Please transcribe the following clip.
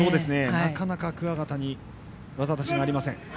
なかなか、桑形に技出しがありません。